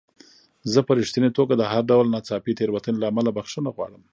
زه په رښتینې توګه د هر ډول ناڅاپي تېروتنې له امله بخښنه غواړم.